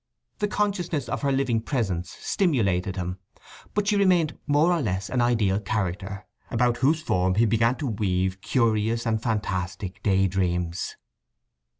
The consciousness of her living presence stimulated him. But she remained more or less an ideal character, about whose form he began to weave curious and fantastic day dreams.